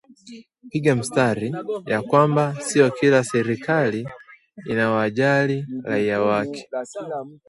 Piga mstari ya kwamba sio kila serikali inawajali raia wake